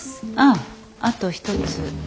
ああと一つ。